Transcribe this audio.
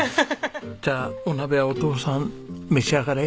じゃあお鍋はお父さん召し上がれ。